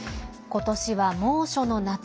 今年は猛暑の夏。